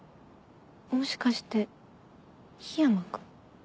もしかして緋山君？